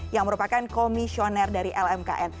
yang merupakan komisioner dari lmkn